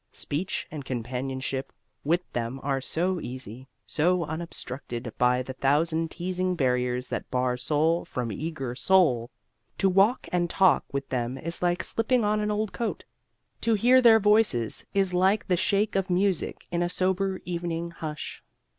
Speech and companionship with them are so easy, so unobstructed by the thousand teasing barriers that bar soul from eager soul! To walk and talk with them is like slipping on an old coat. To hear their voices is like the shake of music in a sober evening hush.